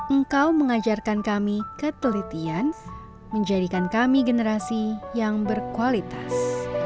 engkau mengajarkan kami ketelitian menjadikan kami generasi yang berkualitas